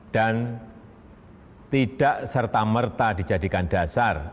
dan tidak serta merta dijadikan dasar